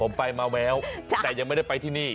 ผมไปมาแววแต่ยังไม่ได้ไปที่นี่